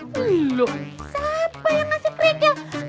loh siapa yang ngasih kerikil